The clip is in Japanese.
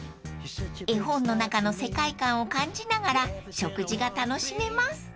［絵本の中の世界観を感じながら食事が楽しめます］